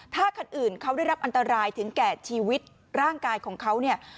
ถ้าคันอื่นเขาได้รับอันตรายถึงแก่ชีวิตร่างกายของเขาเนี่ย